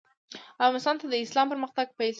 افغانستان ته د اسلام پرمختګ پیل شو.